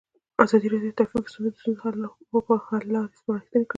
ازادي راډیو د ټرافیکي ستونزې د ستونزو حل لارې سپارښتنې کړي.